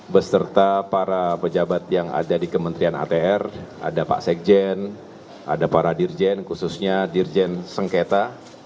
beserta para pejabat yang ada di kementerian atr ada pak sekjen ada para dirjen khususnya dirjen sengketa